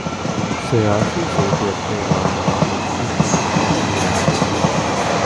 سیاسی سوچ رکھنے والا ناممکن کی جستجو میں رہتا ہے۔